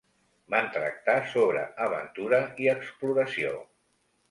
Van tractar sobre aventura i exploració.